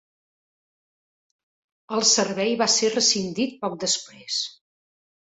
El servei va ser rescindit poc després.